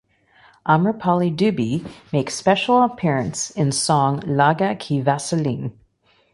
Amrapali Dubey make special appearance in song "Laga Ke Vaseline".